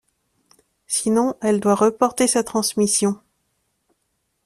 Sinon, elle doit reporter sa transmission.